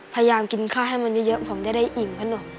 พยายามกินข้าวให้มันเยอะผมจะได้อิ่มขนม